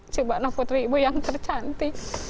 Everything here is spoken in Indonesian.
cibana putri ibu yang tercantik